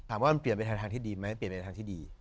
ว่ามันเปลี่ยนไปทางที่ดีไหมเปลี่ยนไปในทางที่ดี